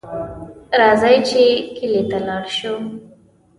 راځئ چې کلي ته لاړ شو